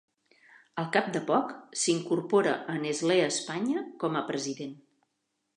Al cap de poc s'incorpora a Nestlé Espanya com a president.